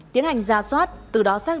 tiến hành ra soát từ đó xác định